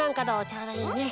ちょうどいいね。